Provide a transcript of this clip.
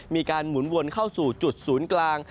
หมุนวนเข้าสู่จุดศูนย์กลาง